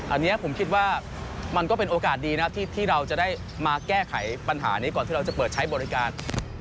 อันนี้ผมคิดว่ามันก็เป็นโอกาสดีนะที่เราจะได้มาแก้ไขปัญหานี้ก่อนที่เราจะเปิดใช้บริการ